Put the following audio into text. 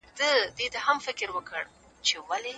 خوښېنه د خپلې ميرمني خور ته ويل کيږي